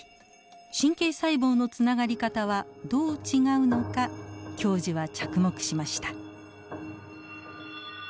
神経細胞のつながり方はどう違うのか教授は着目しました。